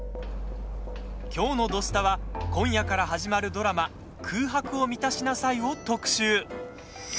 きょうの「土スタ」は今夜から始まるドラマ「空白を満たしなさい」を特集。